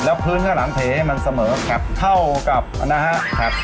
แล้วพื้นข้างหลังเทให้มันเสมอกับเท่ากับนะฮะ